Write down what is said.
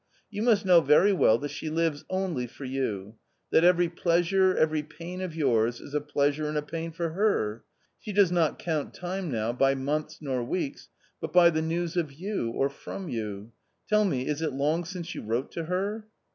"YOETnlust'"tnow very"weTT ll'iat slie lives Only \ for you, that every pleasure, every pain of yours, is a pleasure and a pain for her. She does not count time now by months, nor weeks, but by the news of you, or from you. TV11 mg, ig it Imjgr ginrf| yr\n wrntP tO her ?